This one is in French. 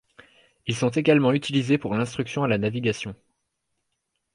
Ils sont également utilisés pour l'instruction à la navigation.